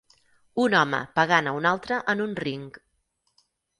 Un home pegant a un altre en un ring.